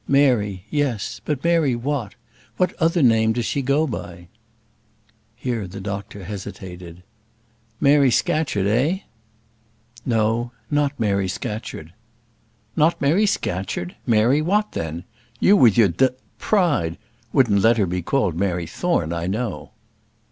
"Mary yes; but Mary what? What other name does she go by?" Here the doctor hesitated. "Mary Scatcherd eh?" "No. Not Mary Scatcherd." "Not Mary Scatcherd! Mary what, then? You, with your d pride, wouldn't let her be called Mary Thorne, I know."